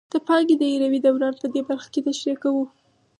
د پانګې دایروي دوران په دې برخه کې تشریح کوو